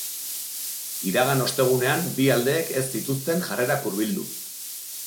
Iragan ostegunean bi aldeek ez zituzten jarrerak hurbildu.